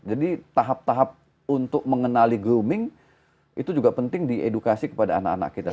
jadi tahap tahap untuk mengenali grooming itu juga penting di edukasi kepada anak anak kita